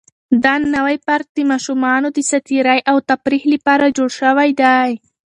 دا نوی پارک د ماشومانو د ساتیرۍ او تفریح لپاره جوړ شوی دی.